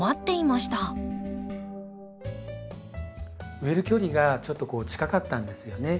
植える距離がちょっと近かったんですよね。